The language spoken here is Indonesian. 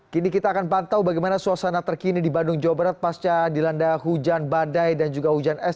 kini kita akan pantau bagaimana suasana terkini di bandung jawa barat pasca dilanda hujan badai dan juga hujan es